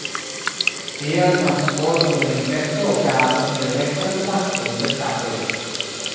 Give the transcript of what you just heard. Tial transporto de la infekto okazas per rekta kontakto inter katoj.